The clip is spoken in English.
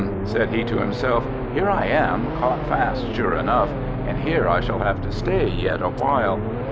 said he to himself, "here I am, caught fast sure enough, and here I shall have to stay yet awhile.